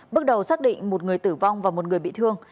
bước đầu xác định một người tử vong và một người bị thương